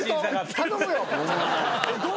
頼むよ。